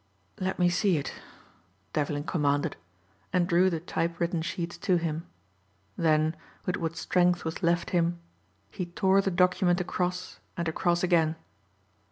"Let me see it," Devlin commanded and drew the typewritten sheets to him. Then, with what strength was left him, he tore the document across and across again.